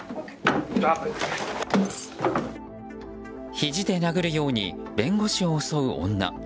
ひじで殴るように弁護士を襲う女。